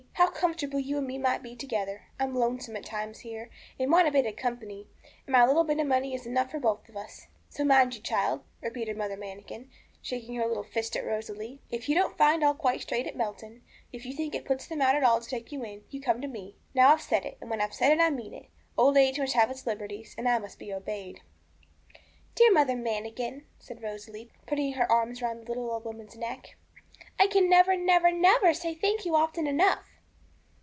how comfortable you and me might be together! I'm lonesome at times here, and want a bit of company, and my little bit of money is enough for both of us. So mind you, child,' repeated Mother Manikin, shaking her little fist at Rosalie, 'if you don't find all quite straight at Melton, if you think it puts them out at all to take you in, you come to me. Now I've said it, and when I've said it I mean it; old age must have its liberties, and I must be obeyed.' 'Dear Mother Manikin,' said Rosalie, putting her arms round the little old woman's neck, 'I can never, never, never say thank you often enough.'